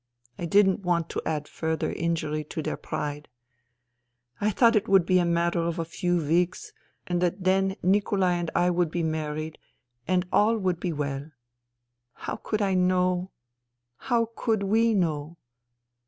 I didn't want to add fm*ther injury to their pride. I thought it would be a matter of a few weeks and that then Nikolai and I would be married, and all would be well. How could I know ? How could we know